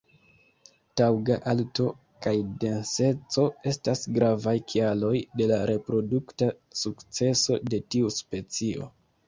Taŭga alto kaj denseco estas gravaj kialoj de la reprodukta sukceso de tiu specio.